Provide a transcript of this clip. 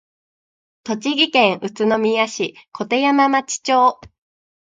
栃木県宇都宮市鐺山町